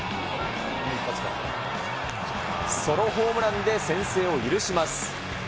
ソロホームランで先制を許します。